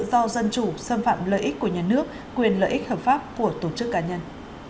do dân chủ xâm phạm lợi ích của nhà nước quyền lợi ích hợp pháp của tổ chức cá nhân